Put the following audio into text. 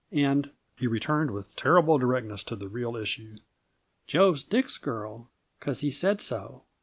And," he returned with terrible directness to the real issue, "Jo's Dick's girl, 'cause he said so.